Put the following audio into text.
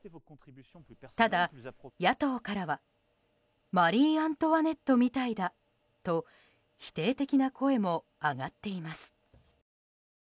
ただ、野党からはマリー・アントワネットみたいだと否定的な声も上がっています。